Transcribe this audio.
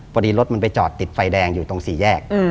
พอดีรถมันไปจอดติดไฟแดงอยู่ตรงสี่แยก